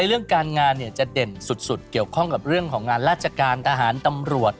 เรื่องการงานจะเด่นสุดเกี่ยวข้องกับเรื่องของงานราชการทหารตำรวจ